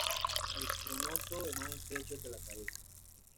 El pronoto es más estrecho que la cabeza.